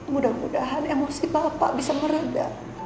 mudah mudahan emosi bapak bisa meredah